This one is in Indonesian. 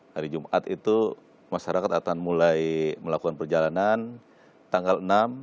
hari jumat itu masyarakat akan mulai melakukan perjalanan tanggal enam